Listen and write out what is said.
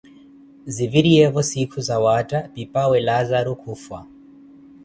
Ziviriyevo siikhu zawaatha, pipaawe Laazaro kufwa